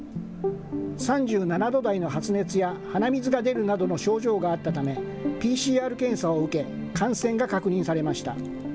３７度台の発熱や鼻水が出るなどの症状があったため、ＰＣＲ検査を受け、感染が確認されました。